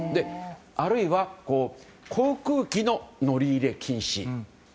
あるいは航空機の乗り入れ禁止。